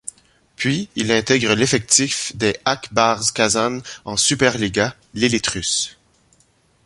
Puis, il intègre l'effectif des Ak Bars Kazan en Superliga, l'élite russe.